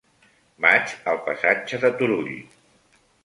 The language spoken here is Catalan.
Vaig al passatge de Turull.